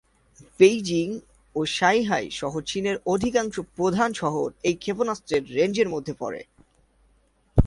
Beijing ও Shanghai সহ চীনের অধিকাংশ প্রধান শহর এই ক্ষেপণাস্ত্রের রেঞ্জের মধ্যে পড়ে।